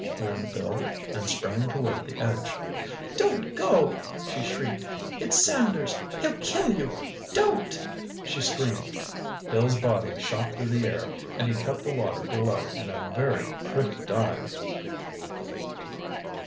grinned Bill and sprang toward the edge. "Don't go!" she shrieked. "It's Sanders—he'll kill you—don't—" She screamed. Bill's body shot through the air, and he cut the water below in a very pretty dive.